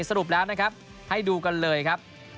สรุปแล้วนะครับให้ดูกันเลยครับ